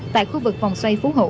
tại khu vực phòng xoay phú hữu